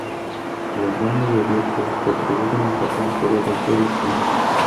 La gran mayoría se producen en Japón, Corea del Sur y China.